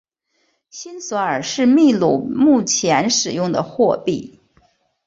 新索尔是秘鲁目前使用的货币。